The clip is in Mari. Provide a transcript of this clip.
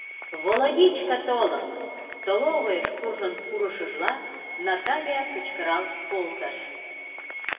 — Володичка толын! — столовыйыш куржын пурышыжла, Наталья кычкырал колтыш.